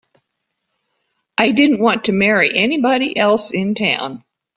I didn't want to marry anybody else in town.